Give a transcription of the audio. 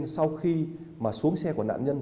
sau khi mà xuống xe của nạn nhân